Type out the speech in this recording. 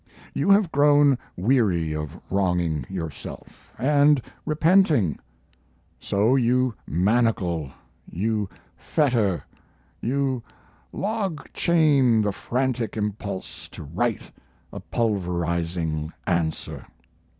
You have grown weary of wronging yourself and repenting; so you manacle, you fetter, you log chain the frantic impulse to write a pulverizing answer.